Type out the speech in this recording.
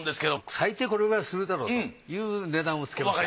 最低これくらいするだろうという値段をつけました。